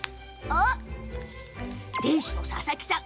店主の佐々木さん